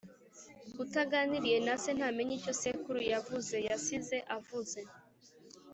Utaganiriye na se ntamenya icyo sekuru yavuze (yasize avuze).